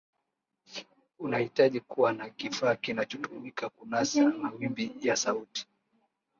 unahitaji kuwa na kifaa kinachotumika kunasa mawimbi ya sauti